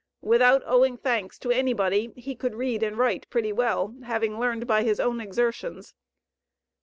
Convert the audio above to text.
Without owing thanks to any body he could read and write pretty well, having learned by his own exertions.